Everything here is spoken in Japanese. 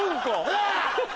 ああ。